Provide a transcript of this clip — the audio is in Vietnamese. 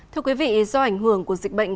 thưa quý vị do ảnh hưởng của dịch bệnh